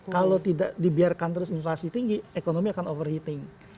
kalau tidak dibiarkan terus inflasi tinggi ekonomi akan overheating